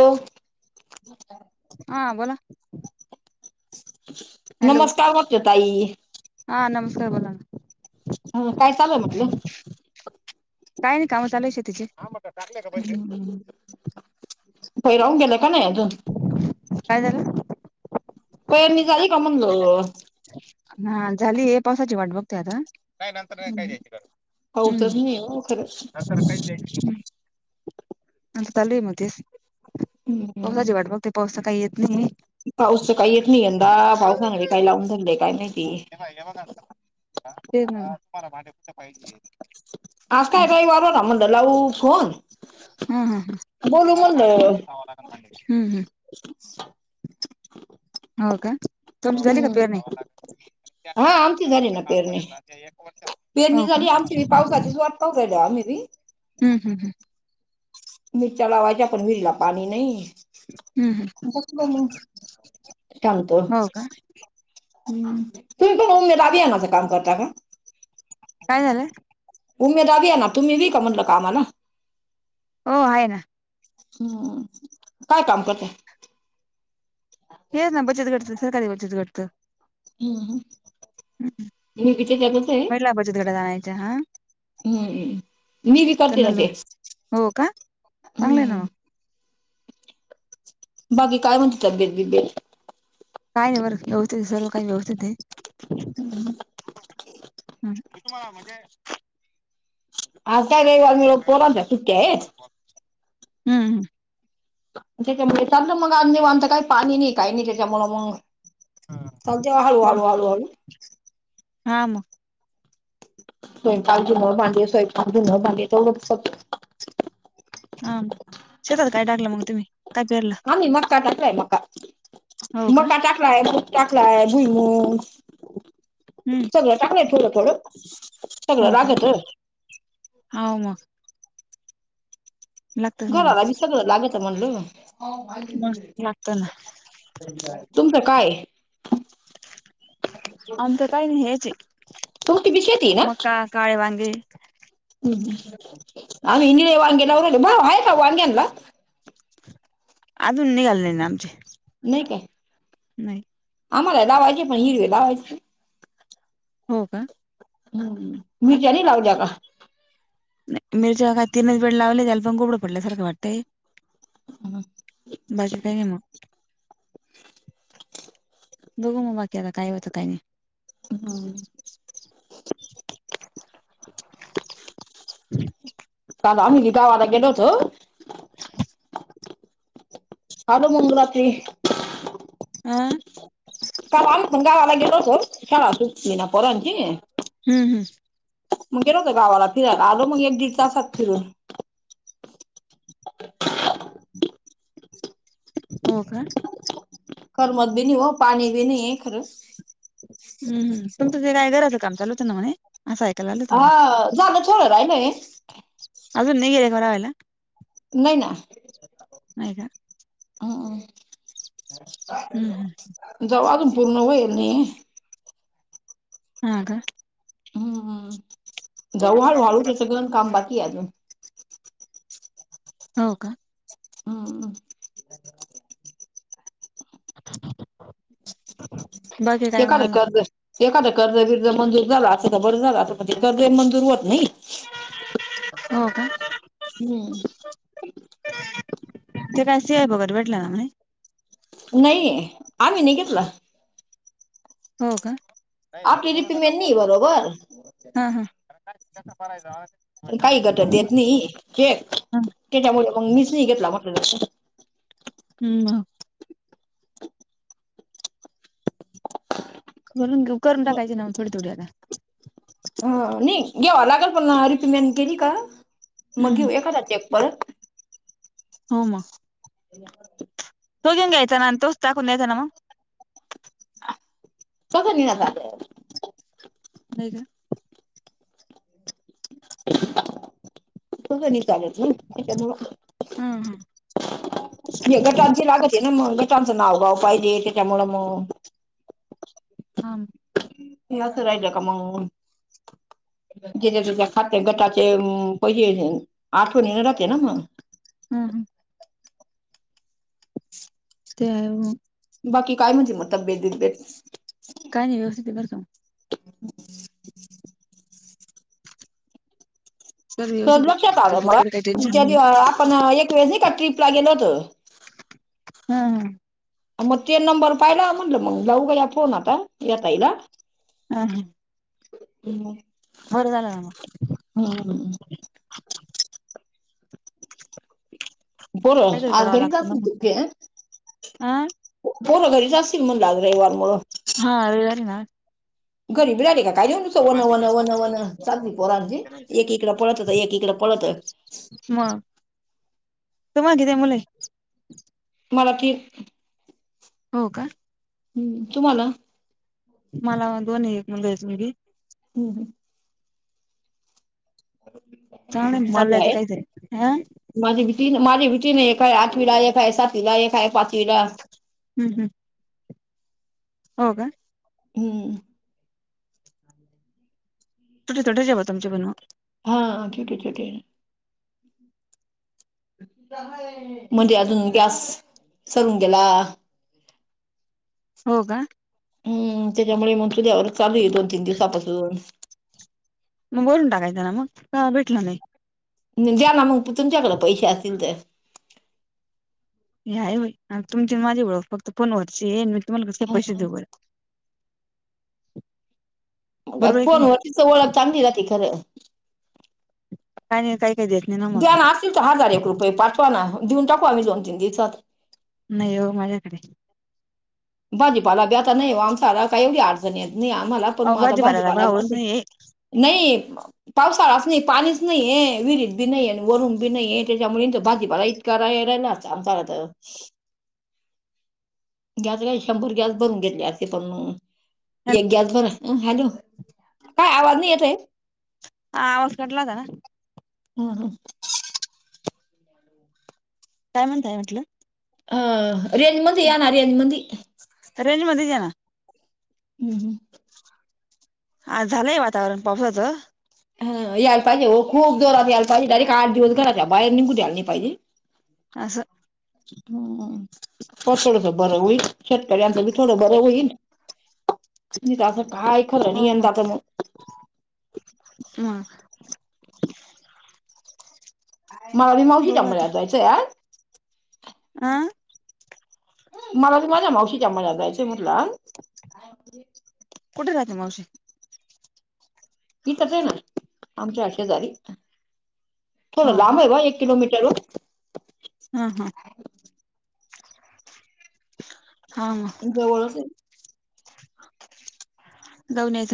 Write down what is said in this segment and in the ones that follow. हो हा बोला हॅलो नमस्कार [unintelligible] ताई. हा नमस्कार बोला ना. हा काय चालूय म्हटलं काय नाही काम चालुये शेतीचे हम्म हम्म [unintelligible] गेलं का नाही अजून काय झाल? [unintelligible] झाली का म्हणलं हा झाली आहे पावसाची वाट बघतो आता - नाही नंतर नाही काही द्यायच कर पाऊसच नाही हो खरंच नंतर काही द्यायच त्याचं चालुये म तेच हम्. पावसाची वाट मग ते पावसा काही येत नाही. पाऊसच काही येत नाही यंदा पाऊसांगली काही लावून धरलेय काय नाहीती. पाय मग कर. ते ना तुम्हाला पाहिजे. आज काय काही वार रा म्हणलं लावऊ फोन. ह ह बोलू तुम्हाला म्हणलं मालेगाववडे हम्म हम्म. [unintelligible] हो का तुमच झाली का हम्म पेरणी नाही. हा आमची झाली ना पेरणी पेरणी हो का झाली आमची हम्म पाव. मसाचीच वाट पाव राहिल मी. हम् ह ह्. मिरच्या लावायच्या पण विहिरीला पाणी नाही. हम्म हम्म हो का [unintelligible] ह तुम्ही पण उमेद आभयानाचं काम करता का. काय झालंय? उमेदा आहे ना तुम्ही का म्हटलं काम आहे ना. हो आहे ना. हम्म काय काम करत. हेच ना बचत घडतं सरकारी बचत घडतं. हम्म. [inaudible] मी बी त्याच्यातच आहे महिला बचत घड जाायच्या हा. हम्म. मी बी [inaudible] करते ना त्यांनालो ते हो का चांगलं आहे ना हम्म. मग. बाकी काय म्हणते तब्येत बिब्येत. काय नाही बर व्यवस्थित सर्व काही व्यवस्थित आहे. [inaudible] [inaudible] तुम्हाला म्हणजे. अज का इवगव पोरत क सुिककय. हम्म हम. त्याच्यामुळे चालं मग अजवत काही पाणी नाही काही नाही त्याच्यामुळ मग. तज हलू मग हलू हलू हलू. हा मग. स्वयंपाक घुनं भांडे स्वयंकेुणं भांडे तेवढंच फत. हा शेतात काय टाकलं मग तुम्ही काय पेरलं. मका टाक मका हो का मका टाक. टकलाय टाकलाय भुईम हम्म सगळं टाकलंय ठोलं थोडं. सगळं हो का? लागत ह मग. लागतच ना घराला मग बी सगळं लागत म्हणल. मस् लागत ना. तुमचं काय. [inaudible] आमच काही नाही ह्याची तुमची बी शेती ना मक्का काळे वांगी. आम्ही निळे वांग्याला उले आहे का वांग्यांला. [inaudible] अजून निघालले ना आमचे. नाही काय. नाही. आम्हाला लावायचे पण हिरवे लावायचे. हो का? हम्म मिर्जा नि लाग जा का. मिरच्या हातीनच वेळ लावले त्या पण गोबडं पडले सारखं वाटतंय. बाकी काही क मग. [inaudible] बघ म बाकी आता काय होत काही नाही. हम. [inaudible] काल आम्ही बि गावाला गेलो होतो आलो मंग रात्री हा काल आम्ही पण गावाला गेलो होतो शाळा ना सुटली पोरांची हम्म हम् मग गेलं होतं गावाला फिरायला आलो मग एक दिसात फिरून हो का करमत भी नाही व पाणी भी नाही आहे खरं हम्म तुमचं ते काय घराचं काम चालू होतं ना म्हणे असं ऐकाय आलं तुम्हाला हा झालं थोडं राहिलंय अजून नाही गेले घर व्हायला नाहीय ना.. हम्म हम्म हम्म जवा अजून पूर्ण होईल नी ह का हम्मम्.. जाऊ हाय वाळूच काम बाकी हाय अजून हो का ह [inaudible] हे काय काढलाय मग कर्ज एखाद कर्ज बिर्ज मंजूर झाला असं तर बरं झालं आसत ते कर्ज मंजूर होत नाही हो का हम्म ते काय शियत वगैरे भेटलं ना म्हणे नाही आम्ही नाही घेतला हो का आपली रिपेमिंनी नाही बरोबर [inaudible] काही घट देत नाही हे त्याच्यामुळे मग मीच नाही घेतला म्हटलं ल हम् बा म्हणून गप्प करून टाकाय ना थोडी थोडी्याला ह नाही घेवा लागल पण ना रिपीमॅन केली का मग हम्म घेऊ एखादा ते बरं हो म [inaudible] त्यो घेऊन घ्यायचा आणी तोच टाकून द्यायांचा ना मग कशानी ग झालं ब का बघ निटं आल्यात घेऊन तिकडनं घेऊन हा हा गटांची लागत आहे ना मग गटांचं नावगाव पाहिजे त्याच्यामुळ मग हम हे असं राहिलं का मग तिथे त खाते गटाचे पैसे आठवनींन राहते ना मग हम् हम ते आो बाकी काय म्हणते तब्येत बिब्यत काय नाही व्यवस्थित बरका मग सर्व सो व्यवस्थित आहे लक्षात आ तब्येतीकडे काही म टेन्शन नाही मग आपण एक वेळेस नाही का ट्रिपला गेलो होत हा हा मग ते नंबर पाहिला म्हटलं मग लाऊ गड्या फोन आता यां ताईला हा हा [inaudible] बर झालं ना म हम्म बरो काहीतरी आज करावं घरी का लागतं ना मग आ [inaudible] पोरं घरीच असेतील म्हणलं आज रविवार मुळं हा रवीवार आहे ना आज [inaudible] वन वन वन वन चालली पोरांची एक इकड पळत एक इकड पळत म तूम्हाला कीती मुलं आहेत मला [inaudible] हो का हम्म तुम्हाला मला दोन आहेत एक मुलगा एक मुलगी ह चांगलं आहे [inaudible] कायतरी माझी भीती माझी भीतीने एका आहे आठवीला एका आहे सातीला एका आहे पाचवीला हम् हं हो का हम्म छोटे छोटे आहे तुमचे पण हो हा छोटे छोटे आहे म्हणजे अजून गॅस सरून गेला हो का हम्म त्याच्यामुळे मग तुझ्यावरच चालू आहे दोन तीन दिवसापासून मग वरून टाकायचा ना मग भेटला नाही. द्याना मग तुमच्याकड पैसे असतील तर नाही हो तुमची माझी ओळख फक्त फोनवरची आहे मी तुम्हाला कस काय पैसे देऊ बर बरोबर आहे की फोन नाही वरतीच ओळख चांगली राहती खरं काय नाही काय [inaudible] द्या ना असतिल तर हजार एक रुपये पाठवाना देऊन टाकू आम्ही दोन तीन दिवसात नाही हो माझ्याकडे भाजीपाला बी आता नाही आमचाला काय एवढी अडचणी नाही आम्हाला पण अहो मग आता भाजीपाल्याला भाजीपाला भावच बंद नाहीये नाही पावसाळाच नाही पाणीच नाही आहे विहिरीत बी नाहीे वरुन बी नाहीये त्याच्यामुळे तर भाजीपालायच करायला वेळेलाच आमचा तर गॅस काय शंभर गॅस भरून घेतले. असे पण हॅलो, एक गॅस बर हॅलो काय आवाज नाही येत आहे हा आवाज कटला होता ना हम् हम काय म्हणतय म्हटलं रेंजमध्ये या ना रेंजमध्ये रेंजमध्ये हे ना हम् हम हा झालंय वातावरण पावसाचं हा यायला पाहिजे हो खूप जोरात यायला पाहिजे डायरेक्ट आठ दिवस घराच्या बाहेर निघू घ्यायला पाहिजे असं पड थोडस बरं होईल शेतकऱ्यांचं बी थोडं बरं होईल त असं काय खर नाहींतच यंदाचा मग मग मला बी मावशीच्या बघू मळ्यात जायचंय आज आं मला बी माझ्या मावशीच्या मळ्यात जायचंय म्हटलं आज कुठे राहते! मावशी हितच ये ना आमच्या शेजारी थोड हो का लांब आहे बा एक किलो मीटर हम हम हा म जवळच आहे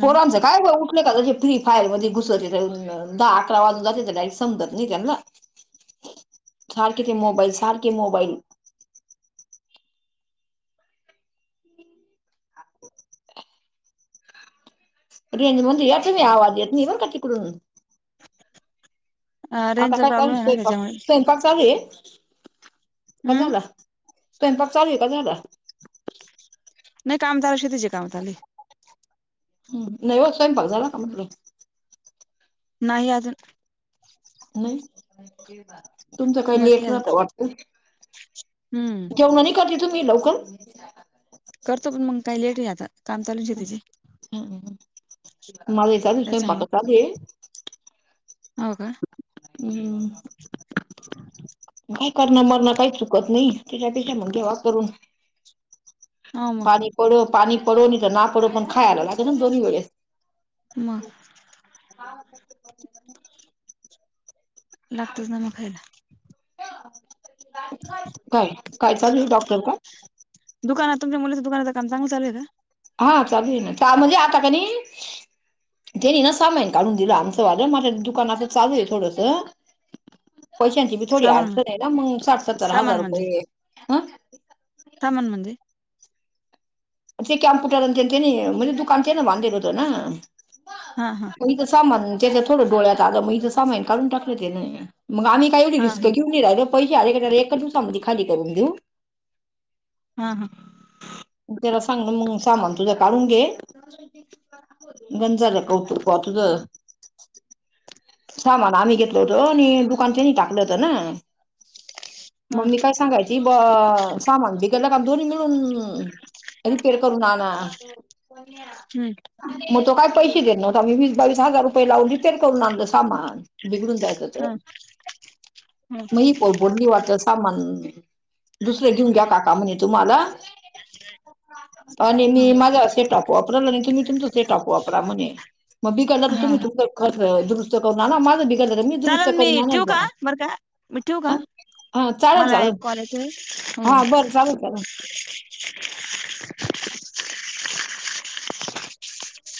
पोरांच काय ग उठलं की तस फ्री फायर मध्ये घुसतात दहा अकरा वाजून जाते तर डायरेक्ट समजत नाही त्यांना सारखे ते मोबाईल सारखे मोबाईल रेंज मध्ये या तुम्ही आवाज नाही येत बरं का तिकडून अ, आता रेंजचा काय प्रॉब्लेम आहे करायले ना त्याच्यामुळे स्वयंपाक स्वयंपाक चालू आहे की हम्म झाला? नाही काम चालू आहे शेतीची काम चालू आहे. ह नाही व स्वयंपाक झाला का म्हटलं? नाही अजून नाही तुमचं काही बाकी लेट अजून राहत वाटत हम्म जेवण नाही करती तुम्ही लवकर? करतो पण मग काही लेट आता काम चालूच शेतीचे हम्म, माझ हे चालू ये स्वयंपाक त्याच्यामुळं चालुये हो का हम् काय करणार मरण काही चुकत नाही त्याच्या पेक्षा म्हणून घ्याव करून हो मग पाणी पड पाणी पडो तर ना पडो पण खायला लागेल ना दोन्ही वेळेस मग हा लागतोच ना मग खायला काय काय चालू ये डॉक्टर काय दुकाना तुमच्या मुलीच्या दुकानातल काम चांगल चालु ये का? हा चालू ये ना म्हणजे आता कणी त्यांनी ना सामान काढून दिलं आमचं वालं माझ्या दुकानचं चालू आहे थोडस पैशांची बी थोडी सामान अडचण म्हण- आहे ना मग साठ सत्तर हजार सामान म्हणजे रुपये आ सामान म्हणजे ते कॅम्प्य म्हणजे दुकान तेन त्यांनी बांधेल होत ना हा हा इच सामान त्याच्या थोडं डोळ्यात आलं मीं सामान काढून टाकलं त्यांनी मग आम्हीय एवढी हा रिस्क हा घेऊ क रा पैसे अले एक एक दिवसामध्ये खाली करून देऊ हा हा त्याला सांग ना मग सामान तुझा काढून घे गंज झाल कौतुक बा तुज सामान आम्ही घेतल होत आणि दुकान त्यांनी टाकलं होतं ना मग हा मी काय सांगायची ब सामान बिगडला क दोन्ही मिळून रिपेअर करून आणा हम्म मग तो काय पैसे देत नव्हता आम्ही वीस बावीस हजार रुपये लावून रिपेर करून आणलं सामान बिघडून जायचं हा त हा [unintelligible] बोंडी वरच सामान दुसरं घेऊन घ्या काका म्हणे तुम्हाला? आणि मी हा मा म्हणे सेटॉप वापरा म्हणे तुम्ही तुमची सेटअप वापरा म्हणे, म बिघडलं की हा तुम्ही तुमचं खर्च दुरुस्त करून आण माझं बिघाडल मी दुरुस्त चालेल मी करून आणण ठेवू बॉ का बरं का मी ठेवू का हा चालल मला चालल एक कॉल येतोय हो हो हा बरं चालल चालल